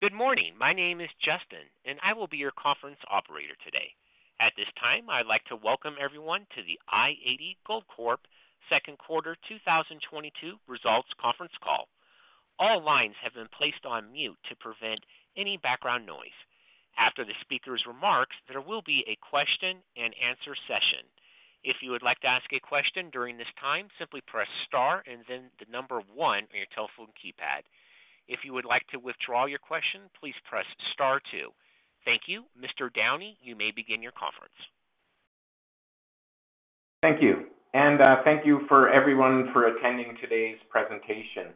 Good morning. My name is Justin, and I will be your conference operator today. At this time, I'd like to welcome everyone to The i-80 Gold Corp. Q2 2022 Results Conference Call. Thank you. Mr. Downie, you may begin your conference. Thank you. Thank you for everyone for attending today's presentation.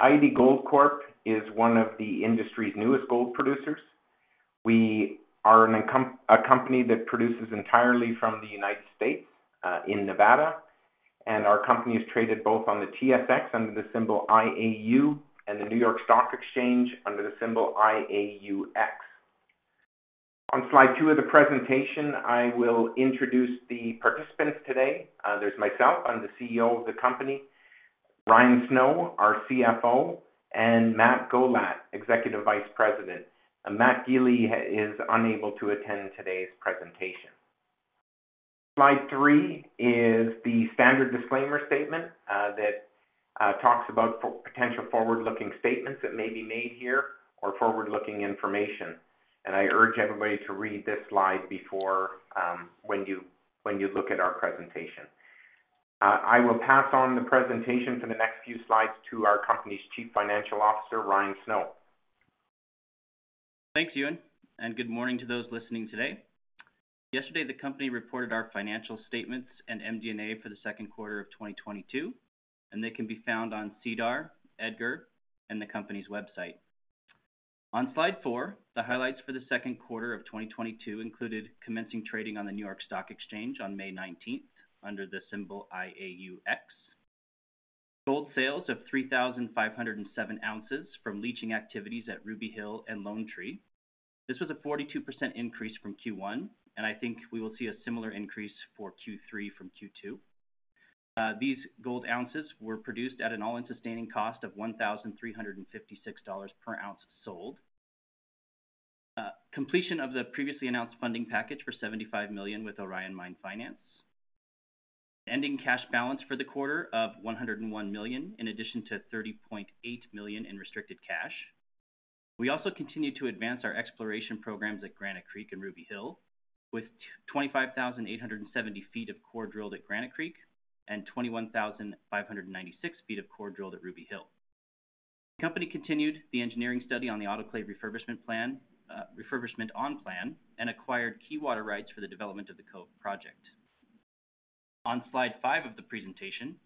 i-80 Gold Corp is one of the industry's newest gold producers. We are a company that produces entirely from the United States, in Nevada, and our company is traded both on the TSX under the symbol IAU and the New York Stock Exchange under the symbol IAUX. On slide two of the presentation, I will introduce the participants today. There's myself, I'm the CEO of the company, Ryan Snow, our CFO, and Matt Gollat, Executive Vice President. Matthew Gili is unable to attend today's presentation. Slide three is the standard disclaimer statement, that talks about potential forward-looking statements that may be made here or forward-looking information. I urge everybody to read this slide before when you look at our presentation. I will pass on the presentation for the next few slides to our company's Chief Financial Officer, Ryan Snow. Thanks, Ewan, and good morning to those listening today. Yesterday, the company reported our financial statements and MD&A for the Q2 of 2022, and they can be found on SEDAR, EDGAR, and the company's website. On slide four, the highlights for the Q2 of 2022 included commencing trading on the New York Stock Exchange on May 19 under the symbol IAUX. Gold sales of 3,507 ounces from leaching activities at Ruby Hill and Lone Tree. This was a 42% increase from Q1, and I think we will see a similar increase for Q3 from Q2. These gold ounces were produced at an all-in sustaining cost of $1,356 per ounce sold. Completion of the previously announced funding package for $75 million with Orion Mine Finance. Ending cash balance for the quarter of $101 million, in addition to $30.8 million in restricted cash. We also continued to advance our exploration programs at Granite Creek and Ruby Hill with 25,870 feet of core drilled at Granite Creek and 21,596 feet of core drilled at Ruby Hill. The company continued the engineering study on the autoclave refurbishment plan and acquired key water rights for the development of the Cove project. On slide five of the presentation,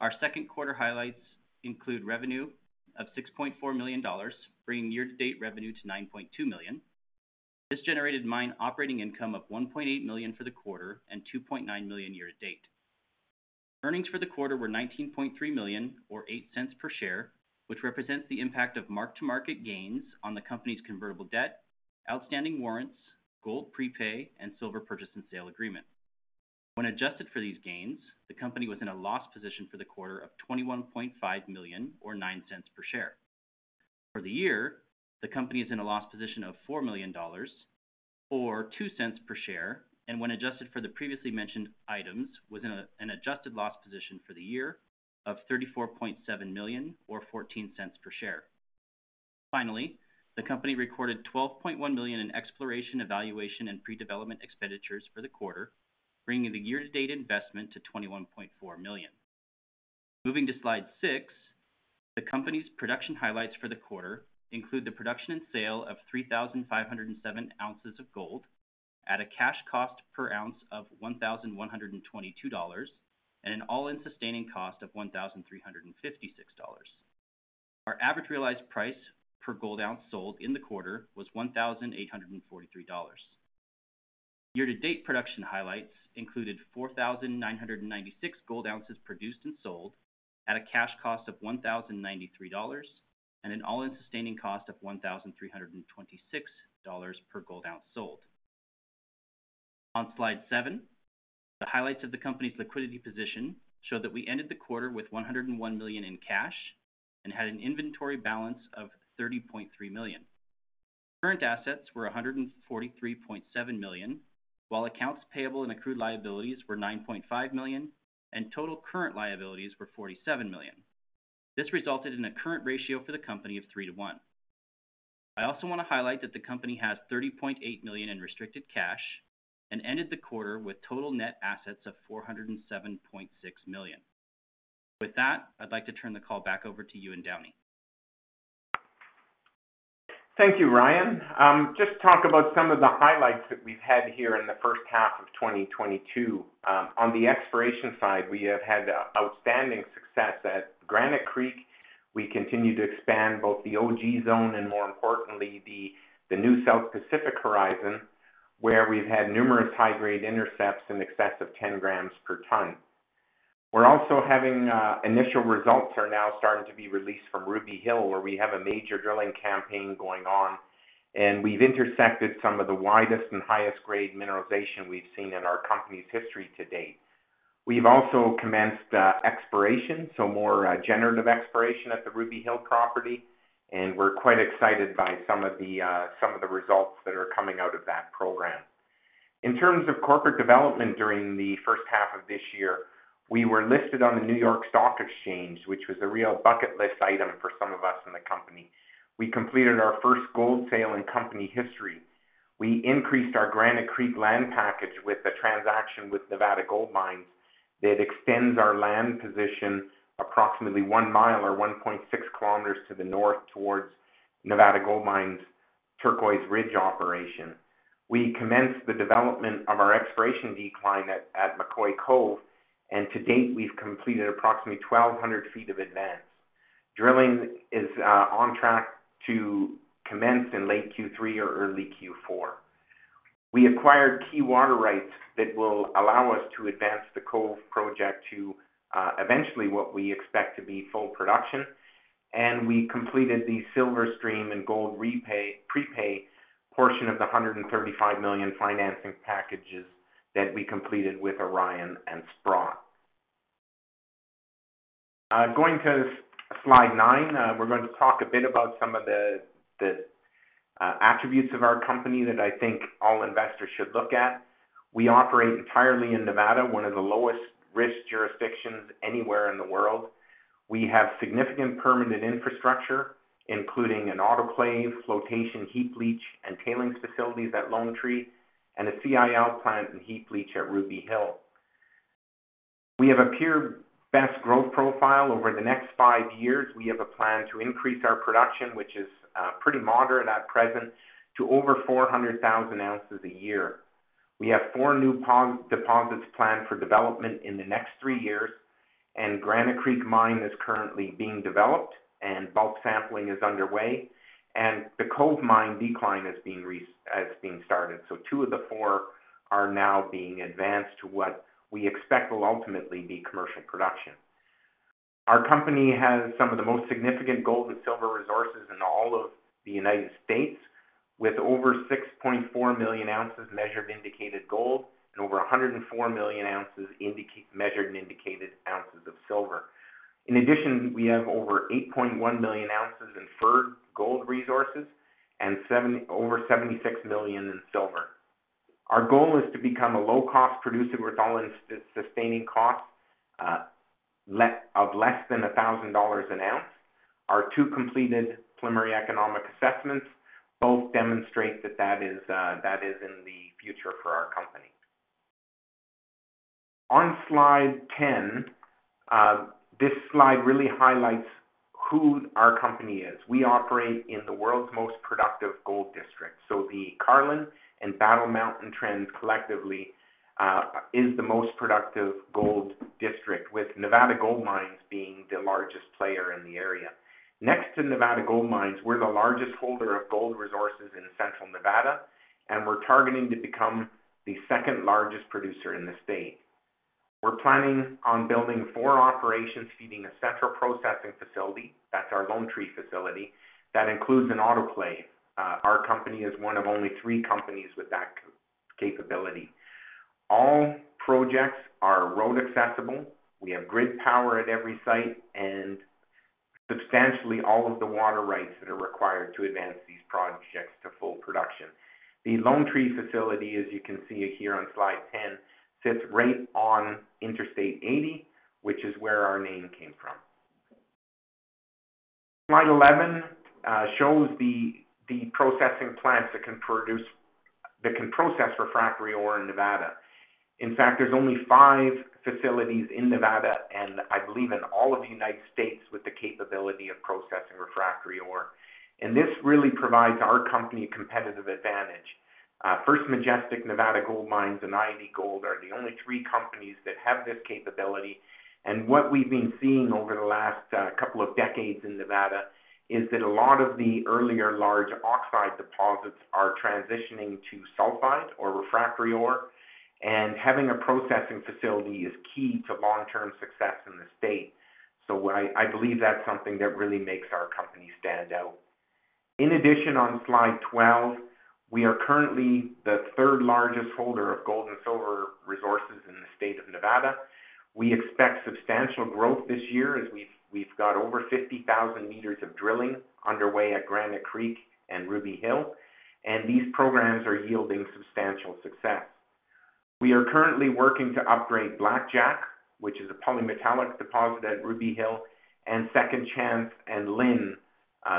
our Q2 highlights include revenue of $6.4 million, bringing year-to-date revenue to $9.2 million. This generated mine operating income of $1.8 million for the quarter and $2.9 million year-to-date. Earnings for the quarter were $19.3 million or $0.08 per share, which represents the impact of mark-to-market gains on the company's convertible debt, outstanding warrants, gold prepay, and silver purchase and sale agreement. When adjusted for these gains, the company was in a loss position for the quarter of $21.5 million or $0.09 per share. For the year, the company is in a loss position of $4 million or $0.02 per share, and when adjusted for the previously mentioned items, was in an adjusted loss position for the year of $34.7 million or $0.14 per share. Finally, the company recorded $12.1 million in exploration, evaluation, and pre-development expenditures for the quarter, bringing the year-to-date investment to $21.4 million. Moving to slide six, the company's production highlights for the quarter include the production and sale of 3,507 ounces of gold at a cash cost per ounce of $1,122 and an all-in sustaining cost of $1,356. Our average realized price per gold ounce sold in the quarter was $1,843. Year-to-date production highlights included 4,996 gold ounces produced and sold at a cash cost of $1,093 and an all-in sustaining cost of $1,326 per gold ounce sold. On slide seven, the highlights of the company's liquidity position show that we ended the quarter with $101 million in cash and had an inventory balance of $30.3 million. Current assets were $143.7 million, while accounts payable and accrued liabilities were $9.5 million, and total current liabilities were $47 million. This resulted in a current ratio for the company of 3 to 1. I also wanna highlight that the company has $30.8 million in restricted cash and ended the quarter with total net assets of $407.6 million. With that, I'd like to turn the call back over to you Downie. Thank you, Ryan. Just to talk about some of the highlights that we've had here in the first half of 2022. On the exploration side, we have had outstanding success. At Granite Creek, we continue to expand both the OG Zone and more importantly, the new South Pacific horizon, where we've had numerous high-grade intercepts in excess of 10 grams per ton. We're also having initial results are now starting to be released from Ruby Hill, where we have a major drilling campaign going on. We've intersected some of the widest and highest grade mineralization we've seen in our company's history to date. We've also commenced exploration, so more generative exploration at the Ruby Hill property, and we're quite excited by some of the results that are coming out of that program. In terms of corporate development during the first half of this year, we were listed on the New York Stock Exchange, which was a real bucket list item for some of us in the company. We completed our first gold sale in company history. We increased our Granite Creek land package with a transaction with Nevada Gold Mines that extends our land position approximately one mile or 1.6 kms to the north towards Nevada Gold Mines's Turquoise Ridge operation. We commenced the development of our exploration decline at McCoy Cove. To date, we've completed approximately 1,200 ft of advance. Drilling is on track to commence in late Q3 or early Q4. We acquired key water rights that will allow us to advance the Cove project to eventually what we expect to be full production. We completed the silver stream and gold prepay portion of the $135 million financing packages that we completed with Orion and Sprott. Going to slide nine, we're going to talk a bit about some of the attributes of our company that I think all investors should look at. We operate entirely in Nevada, one of the lowest risk jurisdictions anywhere in the world. We have significant permanent infrastructure, including an autoclave, flotation, heap leach, and tailings facilities at Lone Tree, and a CIL plant and heap leach at Ruby Hill. We have a pure best growth profile. Over the next five years, we have a plan to increase our production, which is pretty moderate at present, to over 400,000 ounces a year. We have four new deposits planned for development in the next three years, and Granite Creek Mine is currently being developed, and bulk sampling is underway, and the Cove Mine decline is being started. Two of the four are now being advanced to what we expect will ultimately be commercial production. Our company has some of the most significant gold and silver resources in all of the United States, with over 6.4 million ounces measured indicated gold and over 104 million ounces measured and indicated ounces of silver. In addition, we have over 8.1 million ounces inferred gold resources and over 76 million in silver. Our goal is to become a low-cost producer with all-in sustaining costs of less than $1,000 an ounce. Our two completed preliminary economic assessments both demonstrate that is in the future for our company. On slide 10, this slide really highlights who our company is. We operate in the world's most productive gold district. The Carlin and Battle Mountain Trends collectively is the most productive gold district, with Nevada Gold Mines being the largest player in the area. Next to Nevada Gold Mines, we're the largest holder of gold resources in central Nevada, and we're targeting to become the second largest producer in the state. We're planning on building four operations feeding a central processing facility, that's our Lone Tree facility, that includes an autoclave. Our company is one of only three companies with that capability. All projects are road accessible. We have grid power at every site and substantially all of the water rights that are required to advance these projects to full production. The Lone Tree facility, as you can see here on slide 10, sits right on I-80, which is where our name came from. Slide 11 shows the processing plants that can process refractory ore in Nevada. In fact, there's only 5 facilities in Nevada, and I believe in all of the United States, with the capability of processing refractory ore. This really provides our company a competitive advantage. First Majestic, Nevada Gold Mines, and i-80 Gold are the only three companies that have this capability. What we've been seeing over the last couple of decades in Nevada is that a lot of the earlier large oxide deposits are transitioning to sulfide or refractory ore, and having a processing facility is key to long-term success in the state. I believe that's something that really makes our company stand out. In addition, on slide 12, we are currently the third-largest holder of gold and silver resources in the state of Nevada. We expect substantial growth this year as we've got over 50,000 meters of drilling underway at Granite Creek and Ruby Hill, and these programs are yielding substantial success. We are currently working to upgrade Blackjack, which is a polymetallic deposit at Ruby Hill, and Second Chance and Lynn,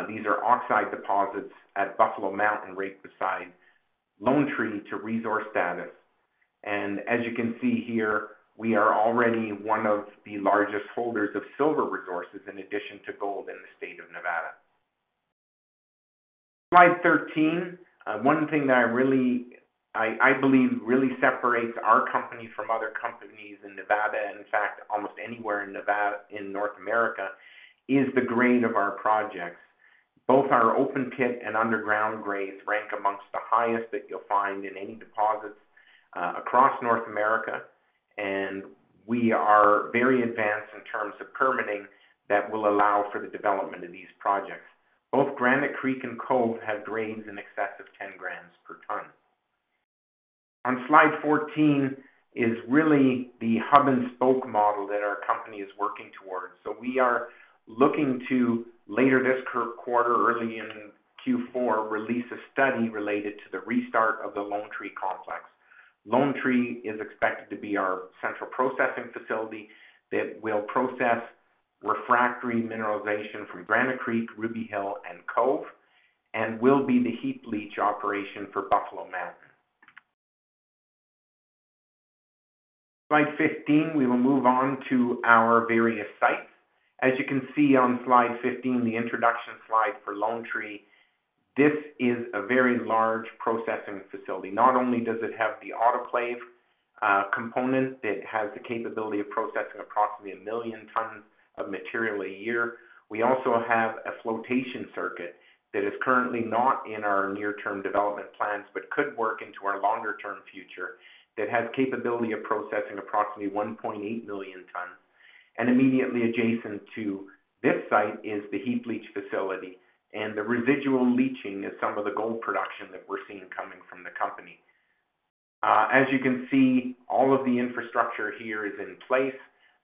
these are oxide deposits at Buffalo Mountain right beside Lone Tree to resource status. As you can see here, we are already one of the largest holders of silver resources in addition to gold in the state of Nevada. Slide 13. One thing that I really believe separates our company from other companies in Nevada, and in fact, almost anywhere in North America, is the grade of our projects. Both our open pit and underground grades rank amongst the highest that you'll find in any deposits across North America. We are very advanced in terms of permitting that will allow for the development of these projects. Both Granite Creek and Cove have grades in excess of 10 grams per ton. On slide 14 is really the hub and spoke model that our company is working towards. We are looking to, later this quarter, early in Q4, release a study related to the restart of the Lone Tree complex. Lone Tree is expected to be our central processing facility that will process refractory mineralization from Granite Creek, Ruby Hill, and Cove, and will be the heap leach operation for Buffalo Mountain. Slide 15, we will move on to our various sites. As you can see on slide 15, the introduction slide for Lone Tree, this is a very large processing facility. Not only does it have the autoclave component that has the capability of processing approximately 1 million tons of material a year, we also have a flotation circuit that is currently not in our near-term development plans, but could work into our longer-term future that has capability of processing approximately 1.8 million tons. Immediately adjacent to this site is the heap leach facility, and the residual leaching is some of the gold production that we're seeing coming from the company. As you can see, all of the infrastructure here is in place.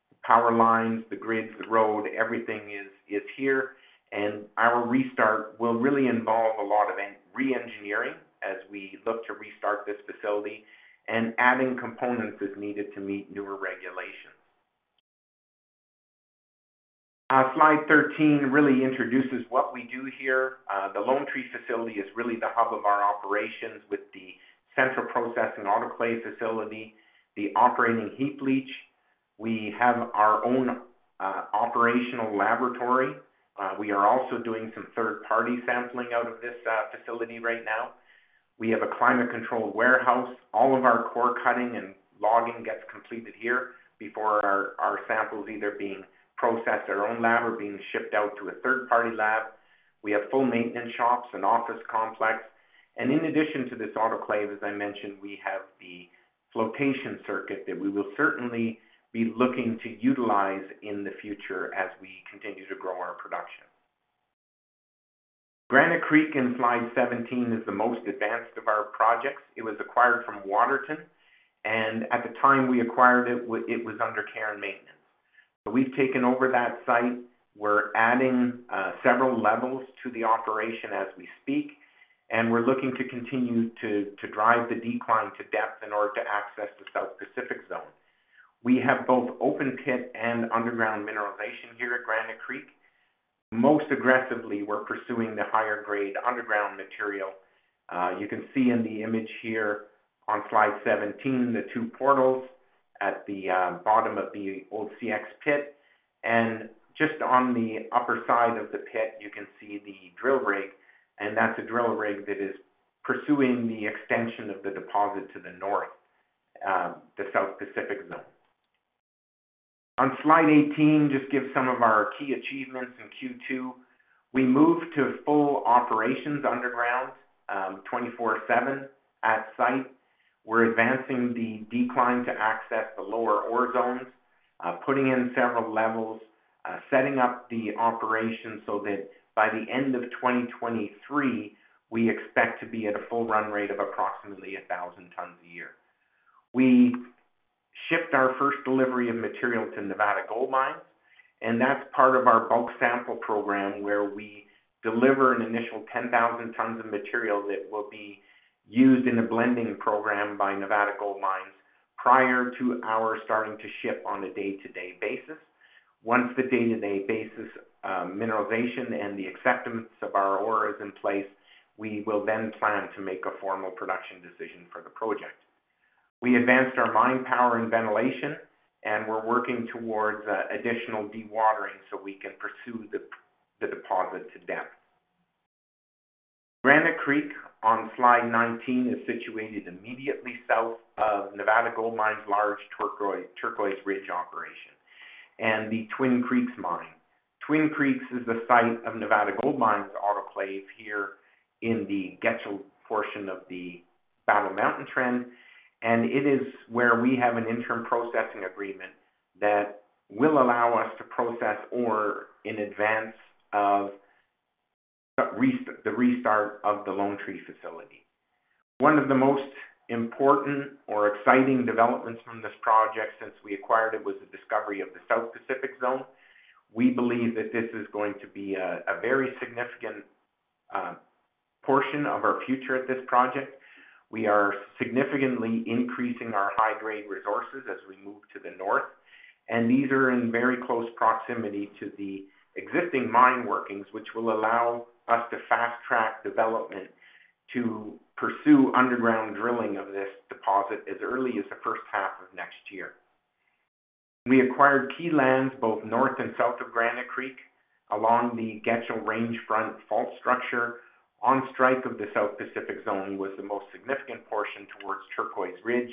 The power lines, the grids, the road, everything is here. Our restart will really involve a lot of re-engineering as we look to restart this facility, and adding components as needed to meet newer regulations. Slide 13 really introduces what we do here. The Lone Tree facility is really the hub of our operations with the central process and autoclave facility, the operating heap leach. We have our own operational laboratory. We are also doing some third-party sampling out of this facility right now. We have a climate-controlled warehouse. All of our core cutting and logging gets completed here before our samples either being processed at our own lab or being shipped out to a third-party lab. We have full maintenance shops and office complex. In addition to this autoclave, as I mentioned, we have the flotation circuit that we will certainly be looking to utilize in the future as we continue to grow our production. Granite Creek, in slide 17, is the most advanced of our projects. It was acquired from Waterton, and at the time we acquired it was under care and maintenance. We've taken over that site, we're adding several levels to the operation as we speak, and we're looking to continue to drive the decline to depth in order to access the South Pacific Zone. We have both open pit and underground mineralization here at Granite Creek. Most aggressively, we're pursuing the higher grade underground material. You can see in the image here on slide 17, the two portals at the bottom of the old CX pit. Just on the upper side of the pit, you can see the drill rig, and that's a drill rig that is pursuing the extension of the deposit to the north, the South Pacific Zone. On slide 18, just give some of our key achievements in Q2. We moved to full operations underground, 24/7 at site. We're advancing the decline to access the lower ore zones, putting in several levels, setting up the operation so that by the end of 2023, we expect to be at a full run rate of approximately 1,000 tons a year. We shipped our first delivery of material to Nevada Gold Mines, and that's part of our bulk sample program where we deliver an initial 10,000 tons of material that will be used in a blending program by Nevada Gold Mines prior to our starting to ship on a day-to-day basis. Once the day-to-day basis, mineralization and the acceptance of our ore is in place, we will then plan to make a formal production decision for the project. We advanced our mine power and ventilation, and we're working towards additional dewatering so we can pursue the deposit to depth. Granite Creek, on slide 19, is situated immediately south of Nevada Gold Mines' large Turquoise Ridge operation and the Twin Creeks Mine. Twin Creeks is the site of Nevada Gold Mines autoclave here in the Getchell portion of the Battle Mountain Trend, and it is where we have an interim processing agreement that will allow us to process ore in advance of the restart of the Lone Tree facility. One of the most important or exciting developments from this project since we acquired it was the discovery of the South Pacific Zone. We believe that this is going to be a very significant portion of our future at this project. We are significantly increasing our high-grade resources as we move to the north, and these are in very close proximity to the existing mine workings, which will allow us to fast-track development to pursue underground drilling of this deposit as early as the first half of next year. We acquired key lands both north and south of Granite Creek along the Getchell range front fault structure. On strike of the South Pacific Zone was the most significant portion towards Turquoise Ridge.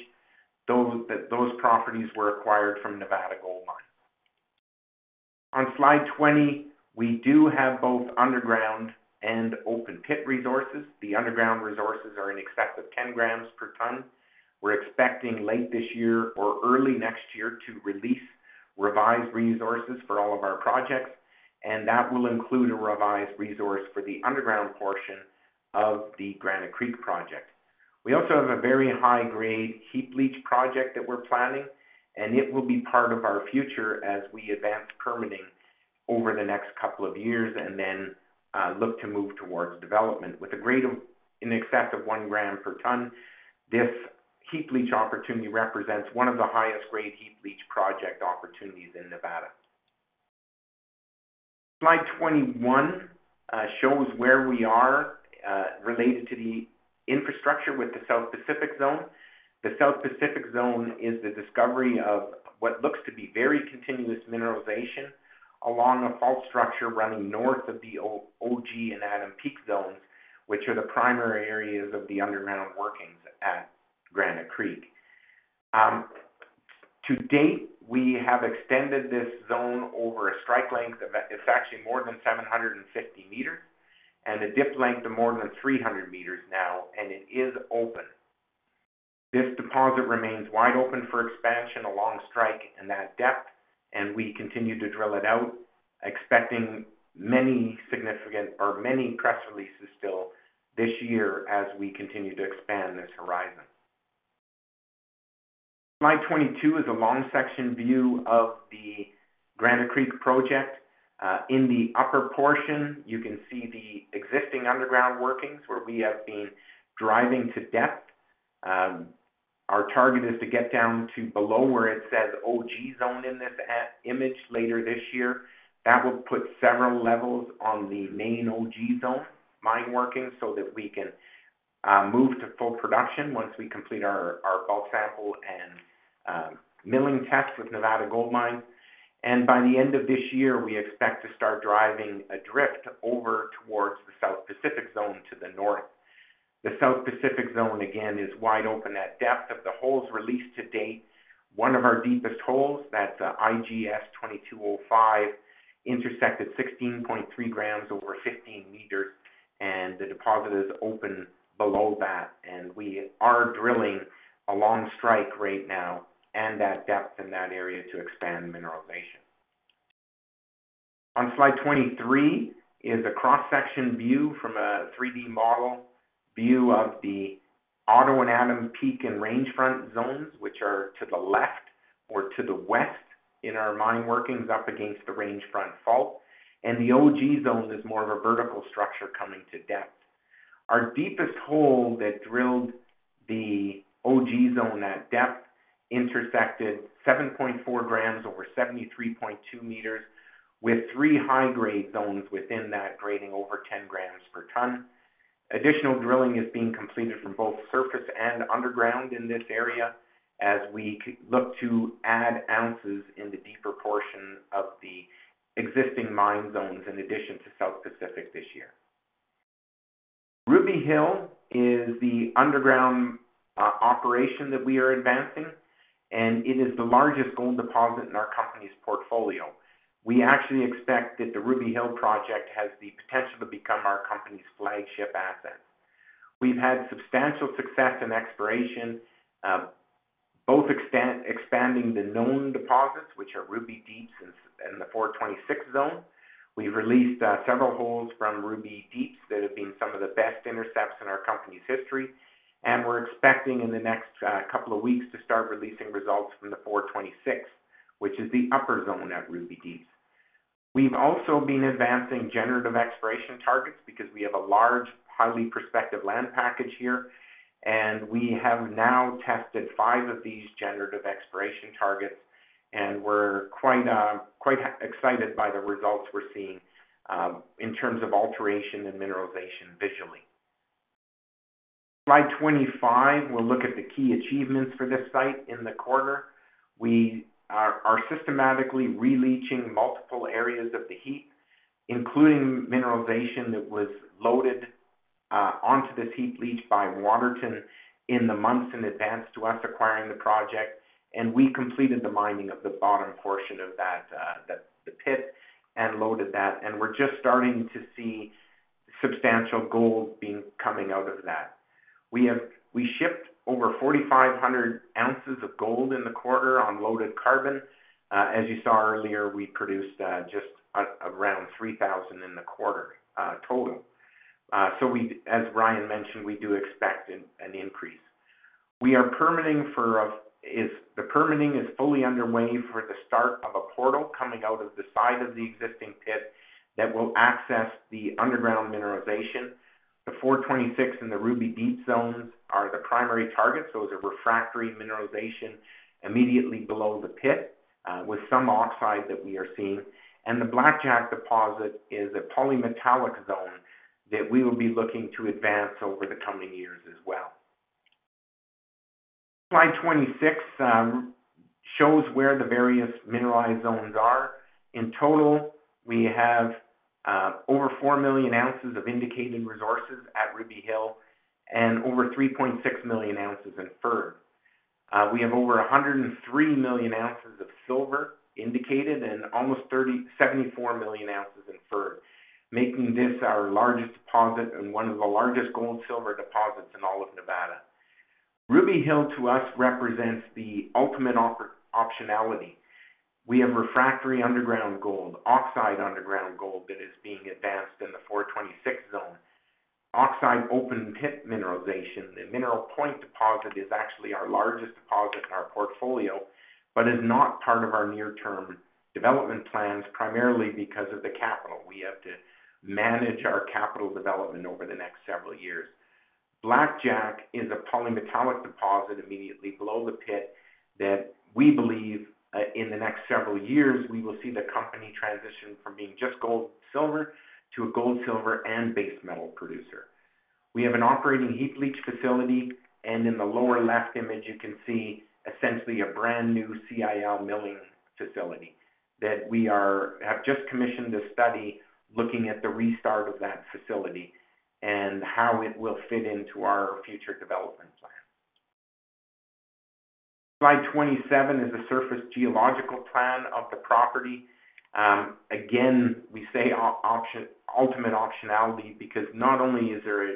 Those properties were acquired from Nevada Gold Mines. On slide 20, we do have both underground and open pit resources. The underground resources are in excess of 10 grams per ton. We're expecting late this year or early next year to release revised resources for all of our projects, and that will include a revised resource for the underground portion of the Granite Creek project. We also have a very high-grade heap leach project that we're planning, and it will be part of our future as we advance permitting over the next couple of years and then look to move towards development. With a grade of in excess of one gram per ton, this heap leach opportunity represents one of the highest grade heap leach project opportunities in Nevada. Slide 21 shows where we are related to the infrastructure with the South Pacific Zone. The South Pacific Zone is the discovery of what looks to be very continuous mineralization along a fault structure running north of the O-OG and Adam Peak zones, which are the primary areas of the underground workings at Granite Creek. To date, we have extended this zone over a strike length of. It's actually more than 750 meters and a dip length of more than 300 meters now, and it is open. This deposit remains wide open for expansion along strike and at depth, and we continue to drill it out, expecting many significant press releases still this year as we continue to expand this horizon. Slide 22 is a long section view of the Granite Creek project. In the upper portion, you can see the existing underground workings where we have been driving to depth. Our target is to get down to below where it says OG Zone in this image later this year. That will put several levels on the main OG Zone mine working so that we can move to full production once we complete our bulk sample and milling test with Nevada Gold Mines. By the end of this year, we expect to start driving a drift over towards the South Pacific Zone to the north. The South Pacific Zone, again, is wide open at depth. Of the holes released to date, one of our deepest holes, that's IGS2205, intersected 16.3 grams over 15 meters, and the deposit is open below that, and we are drilling along strike right now and at depth in that area to expand mineralization. On slide 23 is a cross-section view from a 3D model view of the Otto and Adam Peak and Range Front zones, which are to the left or to the west in our mine workings up against the Range Front Fault. The OG Zone is more of a vertical structure coming to depth. Our deepest hole that drilled the OG Zone at depth intersected 7.4 grams over 73.2 meters with three high-grade zones within that grading over 10 grams per ton. Additional drilling is being completed from both surface and underground in this area as we look to add ounces in the deeper portion of the existing mine zones in addition to South Pacific this year. Ruby Hill is the underground operation that we are advancing, and it is the largest gold deposit in our company's portfolio. We actually expect that the Ruby Hill project has the potential to become our company's flagship asset. We've had substantial success in exploration, both expanding the known deposits, which are Ruby Deeps and the 426 Zone. We've released several holes from Ruby Deeps that have been some of the best intercepts in our company's history, and we're expecting in the next couple of weeks to start releasing results from the 426, which is the upper zone at Ruby Deeps. We've also been advancing generative exploration targets because we have a large, highly prospective land package here, and we have now tested five of these generative exploration targets, and we're quite excited by the results we're seeing in terms of alteration and mineralization visually. Slide 25, we'll look at the key achievements for this site in the quarter. We are systematically re-leaching multiple areas of the heap, including mineralization that was loaded onto this heap leach by Waterton in the months in advance to us acquiring the project. We completed the mining of the bottom portion of that, the pit and loaded that. We're just starting to see substantial gold coming out of that. We shipped over 4,500 ounces of gold in the quarter on loaded carbon. As you saw earlier, we produced just around 3,000 in the quarter, total. As Ryan mentioned, we do expect an increase. The permitting is fully underway for the start of a portal coming out of the side of the existing pit that will access the underground mineralization. The Four Twenty-Six and the Ruby Deep Zones are the primary targets. Those are refractory mineralization immediately below the pit, with some oxide that we are seeing. The Blackjack deposit is a polymetallic zone that we will be looking to advance over the coming years as well. Slide 26 shows where the various mineralized zones are. In total, we have over 4 million ounces of indicated resources at Ruby Hill and over 3.6 million ounces inferred. We have over 103 million ounces of silver indicated and almost 37 million ounces inferred, making this our largest deposit and one of the largest gold-silver deposits in all of Nevada. Ruby Hill, to us, represents the ultimate optionality. We have refractory underground gold, oxide underground gold that is being advanced in the 426 zone. Oxide open pit mineralization. The Mineral Point deposit is actually our largest deposit in our portfolio, but is not part of our near-term development plans, primarily because of the capital. We have to manage our capital development over the next several years. Blackjack is a polymetallic deposit immediately below the pit that we believe in the next several years we will see the company transition from being just gold and silver to a gold, silver, and base metal producer. We have an operating heap leach facility, and in the lower left image, you can see essentially a brand-new CIL milling facility that we have just commissioned a study looking at the restart of that facility and how it will fit into our future development plan. Slide 27 is a surface geological plan of the property. Again, we say option, ultimate optionality because not only is there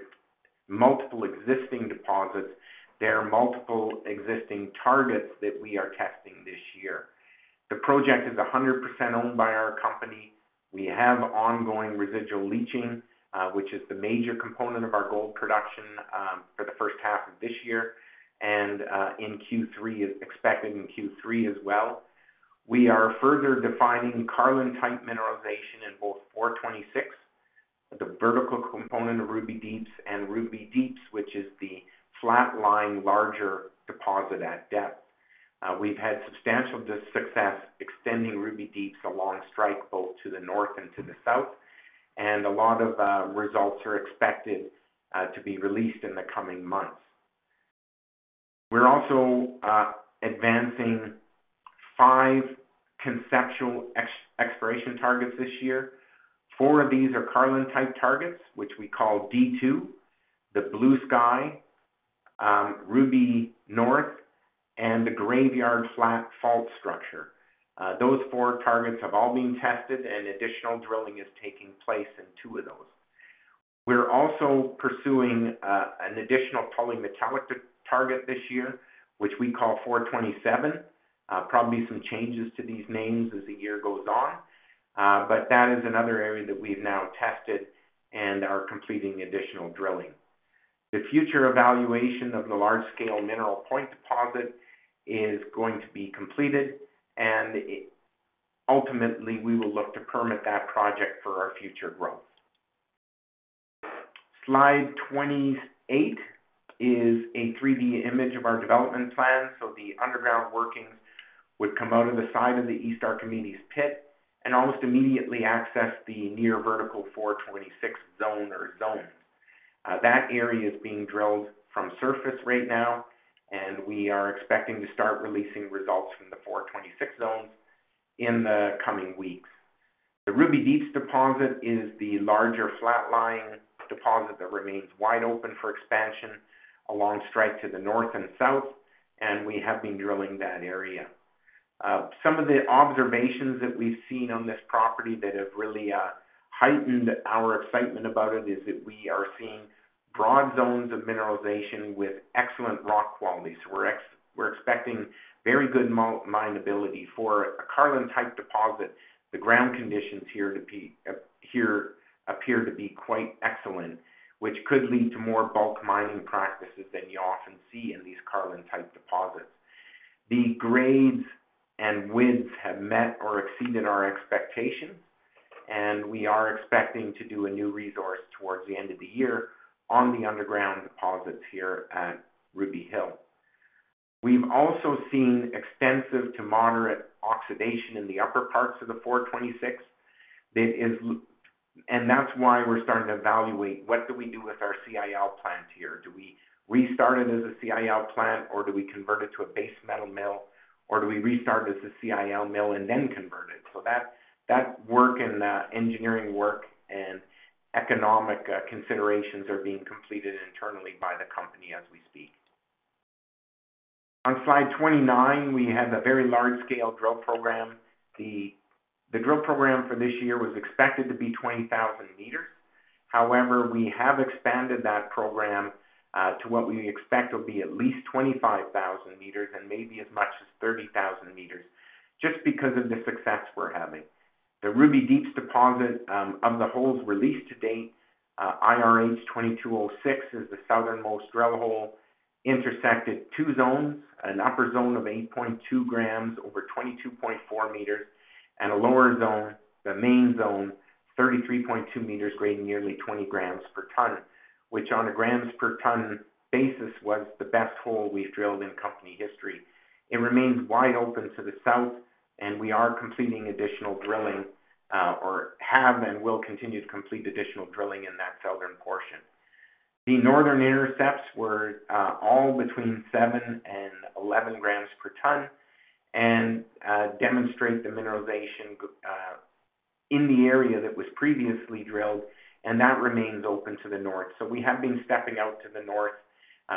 multiple existing deposits, there are multiple existing targets that we are testing this year. The project is 100% owned by our company. We have ongoing residual leaching, which is the major component of our gold production, for the first half of this year, and in Q3, expecting in Q3 as well. We are further defining Carlin-type mineralization in both 426, the vertical component of Ruby Deeps, and Ruby Deeps, which is the flat-lying larger deposit at depth. We've had substantial success extending Ruby Deeps along strike, both to the north and to the south, and a lot of results are expected to be released in the coming months. We're also advancing five conceptual exploration targets this year. Four of these are Carlin-type targets, which we call D2, the Blue Sky, Ruby North, and the Graveyard Flat fault structure. Those four targets have all been tested, and additional drilling is taking place in two of those. We're also pursuing an additional polymetallic target this year, which we call 427. Probably some changes to these names as the year goes on, but that is another area that we've now tested and are completing additional drilling. The future evaluation of the large-scale Mineral Point deposit is going to be completed, and ultimately, we will look to permit that project for our future growth. Slide 28 is a 3D image of our development plan. The underground workings would come out of the side of the East Archimedes Pit and almost immediately access the near vertical 426 zone or zones. That area is being drilled from surface right now, and we are expecting to start releasing results from the 426 zones in the coming weeks. The Ruby Deeps deposit is the larger flat-lying deposit that remains wide open for expansion along strike to the north and south, and we have been drilling that area. Some of the observations that we've seen on this property that have really heightened our excitement about it is that we are seeing broad zones of mineralization with excellent rock quality. We're expecting very good mineability for a Carlin-type deposit, the ground conditions here appear to be quite excellent, which could lead to more bulk mining practices than you often see in these Carlin-type deposits. The grades and widths have met or exceeded our expectations, and we are expecting to do a new resource towards the end of the year on the underground deposits here at Ruby Hill. We've also seen extensive to moderate oxidation in the upper parts of the 426 and that's why we're starting to evaluate what do we do with our CIL plant here? Do we restart it as a CIL plant, or do we convert it to a base metal mill, or do we restart as a CIL mill and then convert it? That work and engineering work and economic considerations are being completed internally by the company as we speak. On slide 29, we have a very large-scale drill program. The drill program for this year was expected to be 20,000 meters. However, we have expanded that program to what we expect will be at least 25,000 meters and maybe as much as 30,000 meters just because of the success we're having. The Ruby Deeps deposit, of the holes released to date, IRH-2206 is the southernmost drill hole, intersected two zones, an upper zone of 8.2 grams over 22.4 meters and a lower zone, the main zone, 33.2 meters grading nearly 20 grams per ton, which on a grams per ton basis was the best hole we've drilled in company history. It remains wide open to the south, and we are completing additional drilling, or have and will continue to complete additional drilling in that southern portion. The northern intercepts were, all between seven and 11 grams per ton and, demonstrate the mineralization in the area that was previously drilled, and that remains open to the north. We have been stepping out to the north,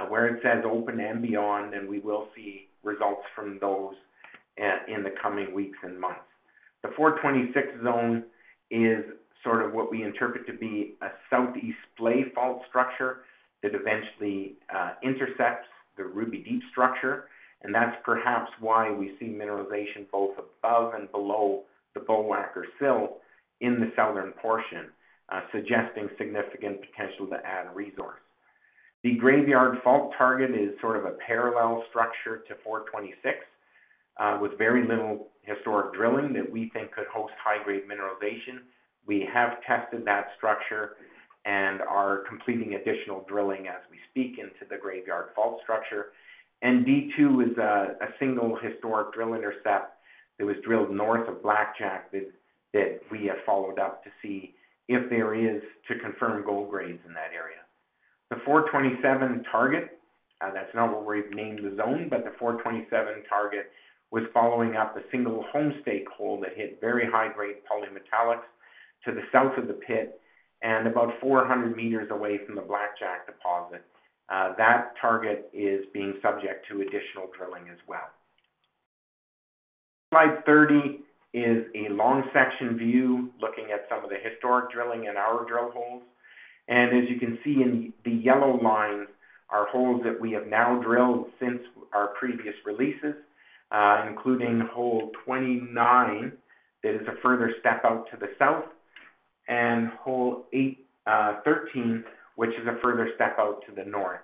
where it says open and beyond, and we will see results from those in the coming weeks and months. The 426 zone is sort of what we interpret to be a Southeast Splay Fault structure that eventually intercepts the Ruby deep structure. That's perhaps why we see mineralization both above and below the Bullwhacker sill in the southern portion, suggesting significant potential to add resource. The Graveyard fault target is sort of a parallel structure to 426, with very little historic drilling that we think could host high-grade mineralization. We have tested that structure and are completing additional drilling as we speak into the Graveyard fault structure. D-2 is a single historic drill intercept that was drilled north of Blackjack that we have followed up to see if there is to confirm gold grades in that area. The 427 target, that's not what we've named the zone, but the 427 target was following up a single Homestake hole that hit very high-grade polymetallics to the south of the pit and about 400 meters away from the Blackjack deposit. That target is being subject to additional drilling as well. Slide 30 is a long section view looking at some of the historic drilling in our drill holes. As you can see in the yellow lines are holes that we have now drilled since our previous releases, including hole 29 that is a further step out to the south, and hole eight, 13, which is a further step out to the north.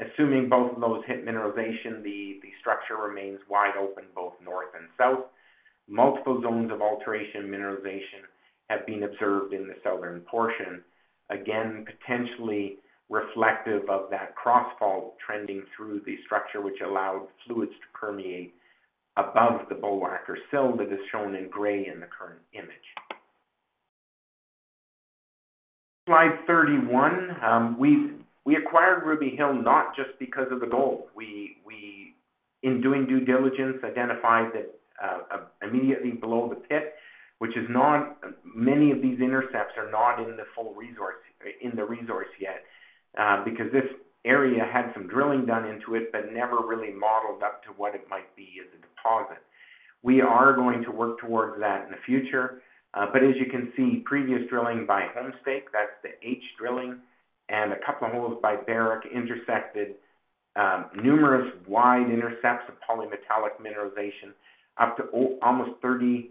Assuming both of those hit mineralization, the structure remains wide open both north and south. Multiple zones of alteration mineralization have been observed in the southern portion. Again, potentially reflective of that cross-fault trending through the structure, which allowed fluids to permeate above the Bullwhacker sill that is shown in gray in the current image. Slide 31. We've acquired Ruby Hill not just because of the gold. We, in doing due diligence, identified that immediately below the pit, which is not... Many of these intercepts are not in the full resource, in the resource yet, because this area had some drilling done into it, but never really modeled up to what it might be as a deposit. We are going to work towards that in the future. As you can see, previous drilling by Homestake, that's the H drilling, and a couple of holes by Barrick intersected numerous wide intercepts of polymetallic mineralization up to almost 30%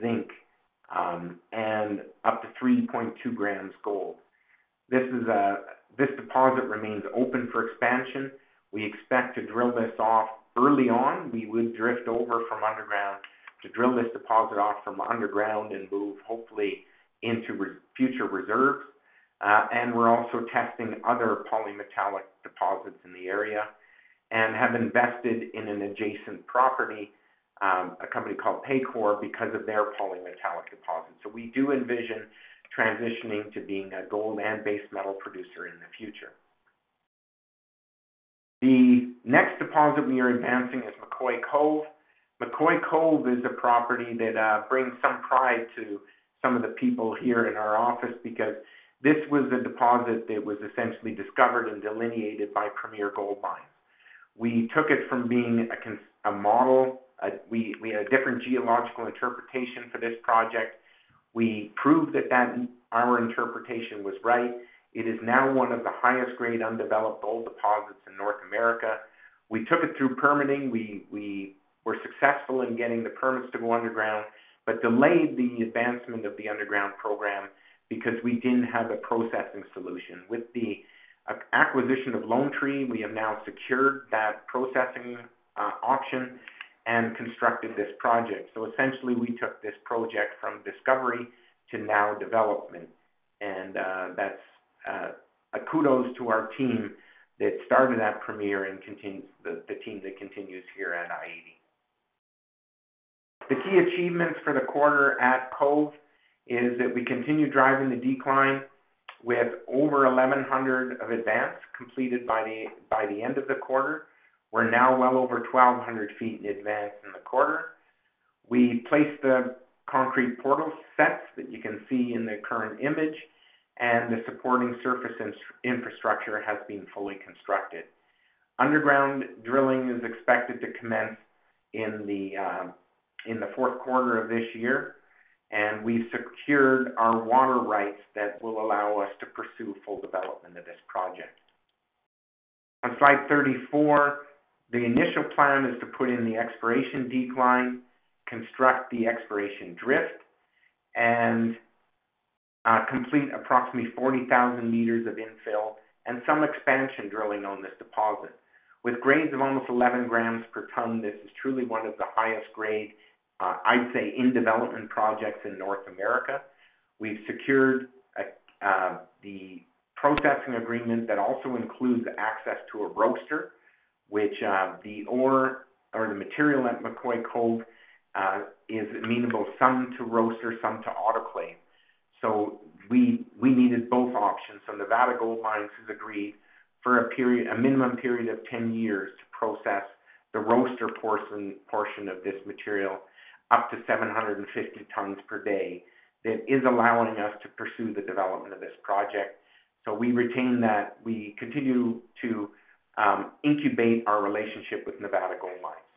zinc, and up to 3.2 grams gold. This deposit remains open for expansion. We expect to drill this off early on. We would drift over from underground to drill this deposit off from underground and move hopefully into resources, future reserves. We're also testing other polymetallic deposits in the area and have invested in an adjacent property, a company called Paycore, because of their polymetallic deposit. We do envision transitioning to being a gold and base metal producer in the future. The next deposit we are advancing is McCoy Cove. McCoy Cove is a property that brings some pride to some of the people here in our office because this was a deposit that was essentially discovered and delineated by Premier Gold Mines. We took it from being a model. We had a different geological interpretation for this project. We proved that our interpretation was right. It is now one of the highest grade undeveloped gold deposits in North America. We took it through permitting. We were successful in getting the permits to go underground, but delayed the advancement of the underground program because we didn't have a processing solution. With the acquisition of Lone Tree, we have now secured that processing option and constructed this project. Essentially, we took this project from discovery to now development. That's a kudos to our team that started at Premier and continues, the team that continues here at i-80. The key achievements for the quarter at Cove is that we continue driving the decline. We have over 1,100 of advance completed by the end of the quarter. We're now well over 1,200 feet in advance in the quarter. We placed the concrete portal sets that you can see in the current image, and the supporting surface infrastructure has been fully constructed. Underground drilling is expected to commence in the Q4 of this year, and we've secured our water rights that will allow us to pursue full development of this project. On slide 34, the initial plan is to put in the exploration decline, construct the exploration drift, and complete approximately 40,000 meters of infill and some expansion drilling on this deposit. With grades of almost 11 grams per ton, this is truly one of the highest grade, I'd say in development projects in North America. We've secured the processing agreement that also includes access to a roaster, which the ore or the material at McCoy Cove is amenable some to roaster, some to autoclave. We needed both options. Nevada Gold Mines has agreed for a period, a minimum period of 10 years to process the roaster portion of this material up to 750 tons per day. That is allowing us to pursue the development of this project. We retain that we continue to incubate our relationship with Nevada Gold Mines.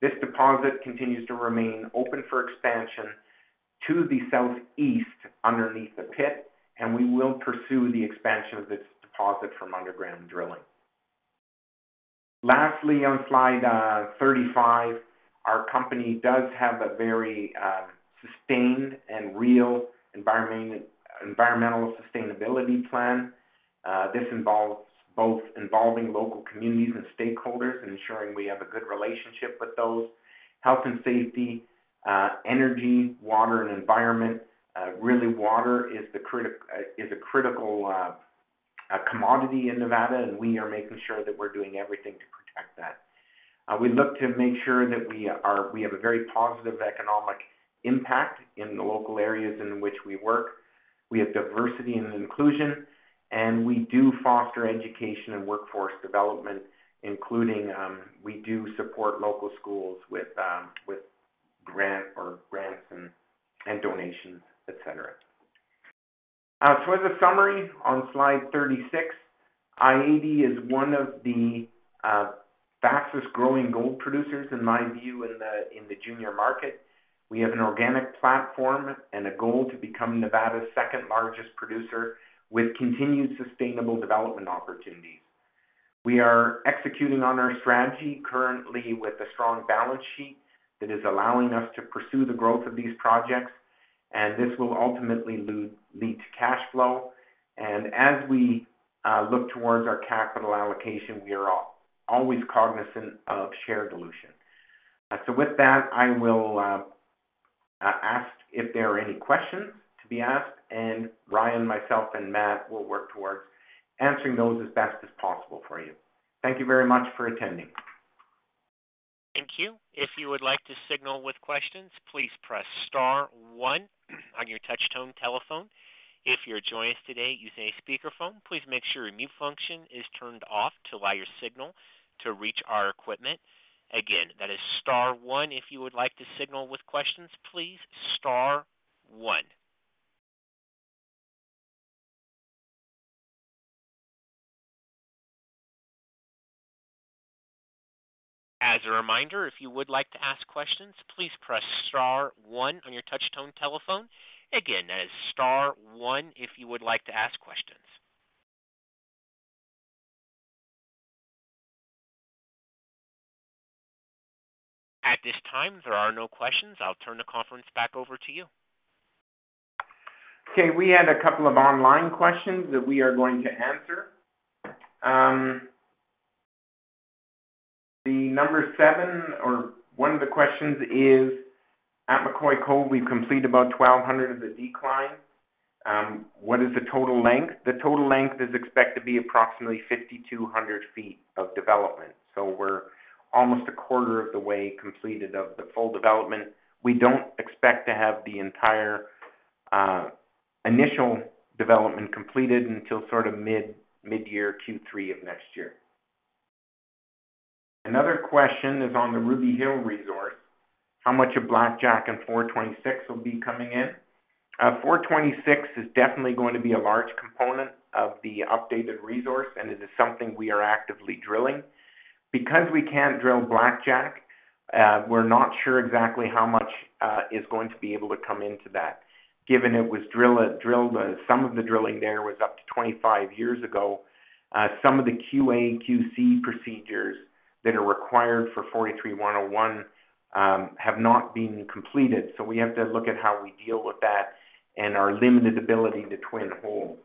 This deposit continues to remain open for expansion to the southeast underneath the pit, and we will pursue the expansion of this deposit from underground drilling. Lastly, on slide 35, our company does have a very sustained and real environment, environmental sustainability plan. This involves both involving local communities and stakeholders, ensuring we have a good relationship with those. Health and safety, energy, water, and environment. Really water is a critical commodity in Nevada, and we are making sure that we're doing everything to protect that. We look to make sure that we have a very positive economic impact in the local areas in which we work. We have diversity and inclusion, and we do foster education and workforce development, including we do support local schools with grants and donations, et cetera. As a summary on slide 36, IAU is one of the fastest-growing gold producers, in my view, in the junior market. We have an organic platform and a goal to become Nevada's second-largest producer with continued sustainable development opportunities. We are executing on our strategy currently with a strong balance sheet that is allowing us to pursue the growth of these projects, and this will ultimately lead to cash flow. As we look towards our capital allocation, we are always cognizant of share dilution. With that, I will ask if there are any questions to be asked, and Ryan, myself, and Matt will work towards answering those as best as possible for you. Thank you very much for attending. Thank you. At this time, there are no questions. I'll turn the conference back over to you. Okay, we had a couple of online questions that we are going to answer. The number seven or one of the questions is, at McCoy Cove, we've completed about 1,200 of the decline. What is the total length? The total length is expected to be approximately 5,200 feet of development. We're almost a quarter of the way completed of the full development. We don't expect to have the entire initial development completed until sort of midyear Q3 of next year. Another question is on the Ruby Hill resource. How much of Blackjack and 426 will be coming in? 426 is definitely going to be a large component of the updated resource, and it is something we are actively drilling. Because we can't drill Blackjack, we're not sure exactly how much is going to be able to come into that. Given it was drilled, some of the drilling there was up to 25 years ago. Some of the QA and QC procedures that are required for 43-101 have not been completed. We have to look at how we deal with that and our limited ability to twin holes.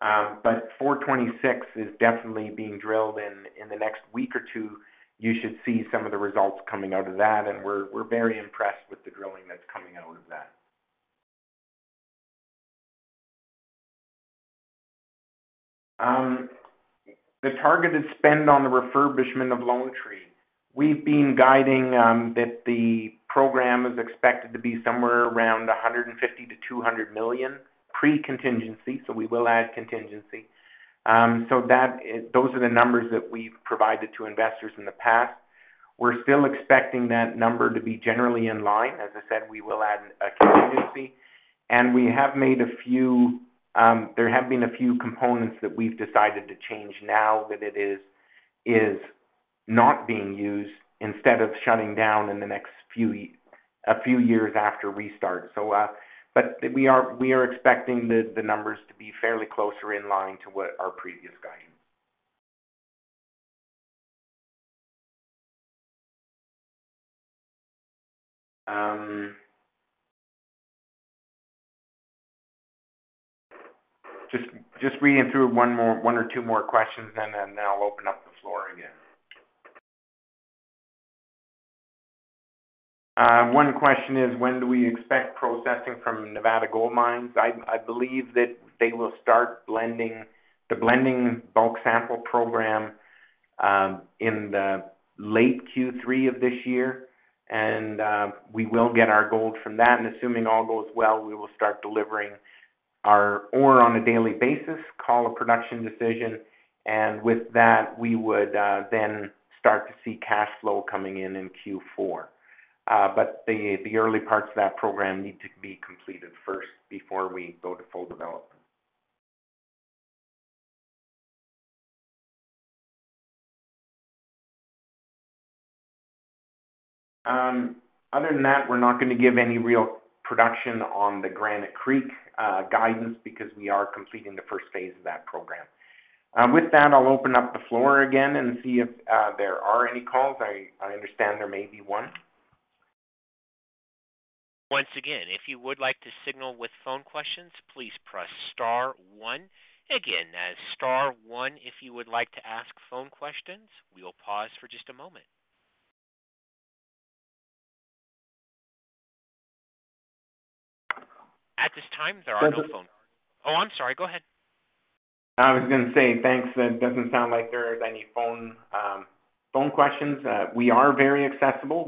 426 is definitely being drilled. In the next week or two, you should see some of the results coming out of that, and we're very impressed with the drilling that's coming out of that. The targeted spend on the refurbishment of Lone Tree, we've been guiding that the program is expected to be somewhere around $150-$200 million pre-contingency, so we will add contingency. That is those are the numbers that we've provided to investors in the past. We're still expecting that number to be generally in line. As I said, we will add a contingency. We have made a few, there have been a few components that we've decided to change now that it is not being used instead of shutting down in the next few years after restart. We are expecting the numbers to be fairly closer in line to what our previous guidance. Just reading through one or two more questions and then I'll open up the floor again. One question is when do we expect processing from Nevada Gold Mines? I believe that they will start blending the bulk sample program in the late Q3 of this year. We will get our gold from that. Assuming all goes well, we will start delivering our ore on a daily basis following a production decision. With that, we would then start to see cash flow coming in in Q4. But the early parts of that program need to be completed first before we go to full development. Other than that, we're not gonna give any real production on the Granite Creek guidance because we are completing the first phase of that program. With that, I'll open up the floor again and see if there are any calls. I understand there may be one. At this time, there are no phone- So- Oh, I'm sorry. Go ahead. I was gonna say thanks. It doesn't sound like there's any phone questions. We are very accessible.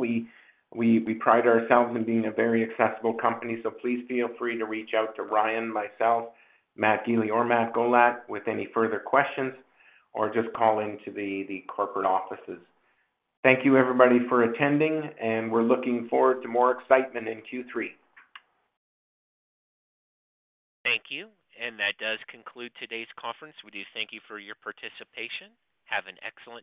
We pride ourselves in being a very accessible company. Please feel free to reach out to Ryan, myself, Matthew Gili, or Matthew Gollat with any further questions or just call into the corporate offices. Thank you, everybody, for attending, and we're looking forward to more excitement in Q3. Thank you. That does conclude today's conference. We do thank you for your participation. Have an excellent day.